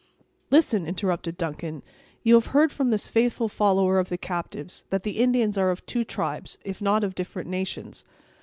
"Listen," interrupted Duncan; "you have heard from this faithful follower of the captives, that the Indians are of two tribes, if not of different nations.